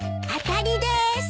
当たりです。